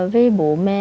vì bố mẹ